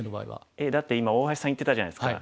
えっだって今大橋さん言ってたじゃないですか。